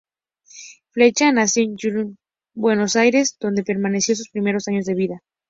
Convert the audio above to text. Flecha nació en Junín, Buenos Aires, donde permaneció sus primeros años de vida.